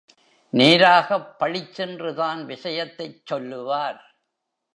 நேராகப் பளிச்சென்று தான் விஷயத்தைச் சொல்லுவார்.